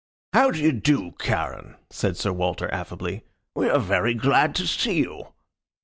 "How do you do, Charon?" said Sir Walter, affably. "We are very glad to see you."